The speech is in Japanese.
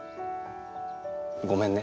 ごめんね。